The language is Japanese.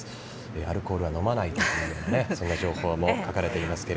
アルコールは飲まないというそんな情報も書かれていますが。